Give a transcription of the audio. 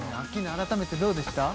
改めてどうでした？